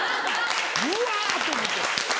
うわ！と思って。